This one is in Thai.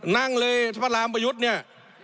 นั่งเลยถ้าพระรามประยุทธ์เนี่ย